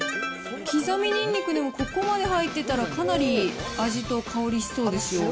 刻みニンニクでも、ここまで入ってたら、かなり味と香りしそうですよ。